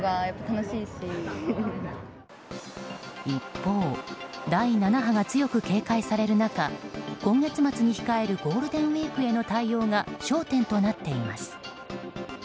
一方第７波が強く警戒される中今月末に控えるゴールデンウィークへの対応が焦点となっています。